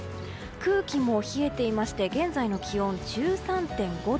空気も冷えていまして現在の気温、１３．５度。